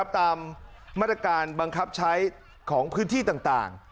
ตามมาตรการบังคับใช้ของพื้นที่ต่าง